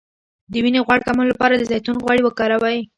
د وینې غوړ کمولو لپاره د زیتون غوړي وکاروئ